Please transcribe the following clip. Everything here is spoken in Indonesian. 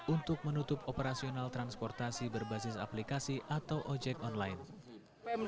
untuk menutup operasional transportasi berbasis aplikasi atau ojek online